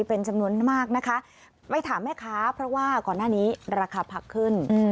เป็นจำนวนมากนะคะไปถามแม่ค้าเพราะว่าก่อนหน้านี้ราคาผักขึ้น